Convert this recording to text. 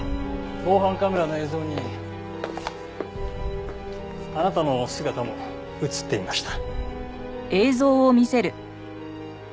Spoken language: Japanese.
防犯カメラの映像にあなたの姿も映っていました。